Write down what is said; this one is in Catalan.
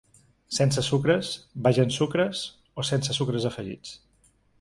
“Sense sucres”, “baix en sucres” o “sense sucres afegits”.